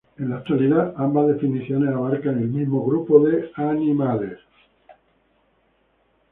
En la actualidad, ambas definiciones abarcan el mismo grupo de animales.